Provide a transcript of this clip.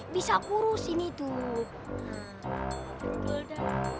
bisa kurus ini tuh